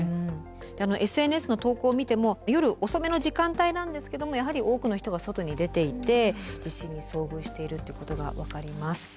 ＳＮＳの投稿を見ても夜遅めの時間帯なんですけどもやはり多くの人が外に出ていて地震に遭遇しているってことが分かります。